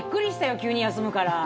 急に休むから。